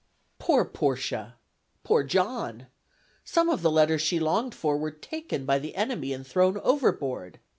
Poor Portia! poor John! Some of the letters she longed for were taken by the enemy and thrown overboard.